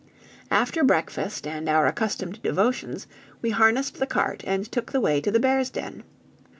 After breakfast, and our accustomed devotions, we harnessed the cart, and took the way to the bears' den.